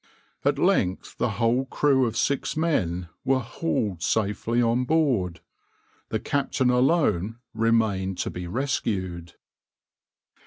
At length the whole crew of six men were hauled safely on board. The captain alone remained to be rescued.